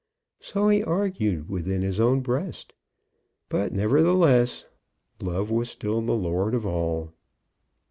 So he argued within his own breast. But nevertheless, Love was still the lord of all.